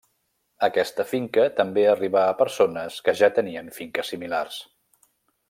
Aquesta finca també arribà a persones que ja tenien finques similars.